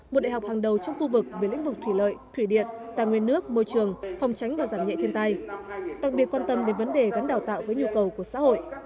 một đại học hàng đầu trong khu vực về lĩnh vực thủy lợi thủy điện tà nguyên nước môi trường phòng tránh và giảm nhẹ thiên tai đặc biệt quan tâm đến vấn đề gắn đào tạo với nhu cầu của xã hội